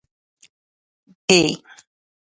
کښې